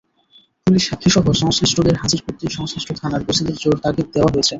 Police সাক্ষীসহ সংশ্লিষ্টদের হাজির করতে সংশ্লিষ্ট থানার ওসিদের জোর তাগিদ দেওয়া হয়েছে।